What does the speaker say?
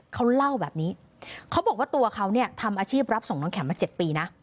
เขาเล่าแบบนี้เขาบอกว่าตัวเขาเนี่ยทำอาชีพรับส่งน้องแข็งมา๗ปีนะ